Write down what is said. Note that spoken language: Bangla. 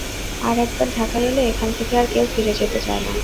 আর একবার ঢাকায় এলে এখান থেকে আর কেউ ফিরে যেতে চায় না।